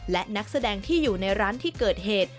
และนักแสดงที่อยู่ในร้านที่เกิดเหตุ